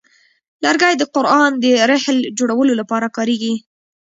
لرګی د قران د رحل جوړولو لپاره کاریږي.